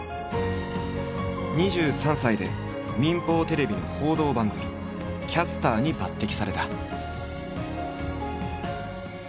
２３歳で民放テレビの報道番組キャスターに抜擢された。